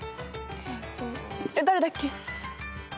えっと誰だっけ？